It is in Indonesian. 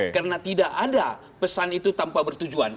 karena tidak ada pesan itu tanpa bertujuan